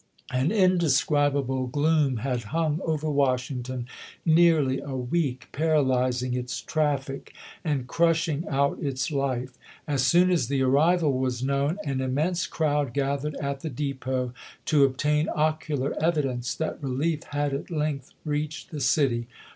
An indescribable gloom had hung over Washington nearly a week, paralyzing its traffic and crushing out its life. As soon as the arrival was known, an immense crowd gath ered at the depot to obtain ocular evidence that relief had at length reached the city.